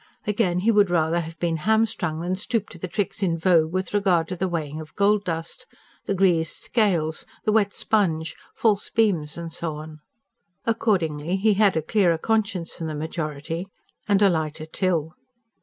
Again, he would rather have been hamstrung than stoop to the tricks in vogue with regard to the weighing of gold dust: the greased scales, the wet sponge, false beams, and so on. Accordingly, he had a clearer conscience than the majority and a lighter till.